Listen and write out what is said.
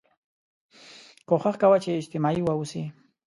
کوښښ کوه چې اجتماعي واوسې